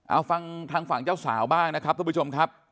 เอาฟังทางฝั่งเจ้าสาวบ้างนะครับทุกผู้ชมครับ